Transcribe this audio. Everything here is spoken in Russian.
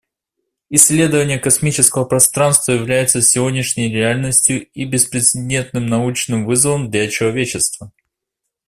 Исследование космического пространства является сегодняшней реальностью и беспрецедентным научным вызовом для человечества.